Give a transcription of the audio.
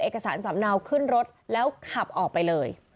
เอกสารสำเนาขึ้นรถแล้วขับออกไปเลย